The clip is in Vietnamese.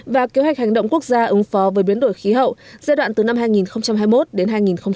và kế hoạch hành động quốc gia ứng phó với biến đổi khí hậu giai đoạn từ năm hai nghìn hai mươi một đến hai nghìn ba mươi